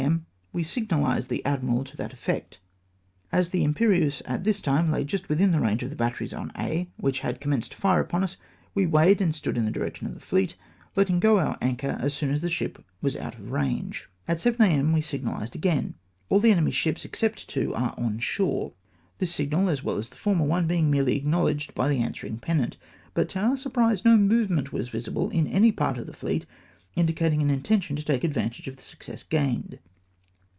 M. we signalised the admiral to that effect. As the Iinperieuse at this time lay just "within range of the batteries on Aix, which had commenced to fire upon us, we weighed, and stood in the direction of the fleet, letting go om' anchor as soon as the ship was out of range. At 7 a.m. we sig nahsed again, " All the enemy's ships, except two, are on shore ;" this signal, as Avell as the former one, being merely acknowledged by the answering pennant ; but, to oiu" surprise, no movement was visible in any part of the fleet indicatino; an intention to take advantage of the success gained.